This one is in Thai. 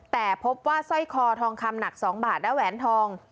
แต่พบว่าสร้อยคอทองคำหนัก๒บาทและแหวนทอง